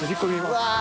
うわ！